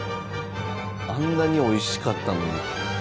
あんなにおいしかったのに。